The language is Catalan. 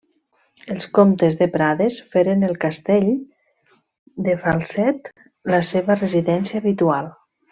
Els comtes de Prades feren del castell de Falset la seva residència habitual.